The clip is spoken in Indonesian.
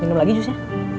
minum lagi jusnya